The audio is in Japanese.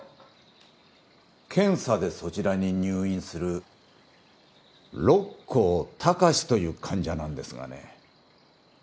検査でそちらに入院する六甲貴史という患者なんですがね。